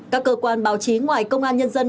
các cơ quan báo chí ngoài công an nhân dân